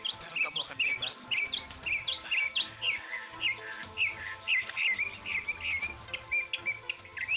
ini udah kebelakangan